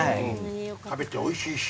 食べておいしいですし。